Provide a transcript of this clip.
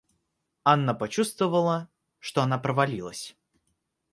Анна почувствовала, что она провалилась.